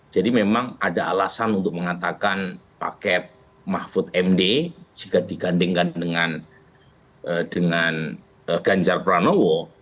memang ada alasan untuk mengatakan paket mahfud md jika dibandingkan dengan ganjar pranowo